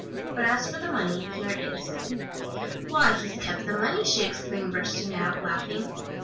But as for the money, here it is.' "'Why, he's kept the money!' she exclaimed, bursting out laughing.